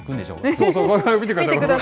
そうそう、見てください。